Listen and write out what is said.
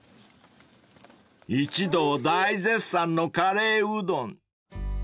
［一同大絶賛のカレーうどん］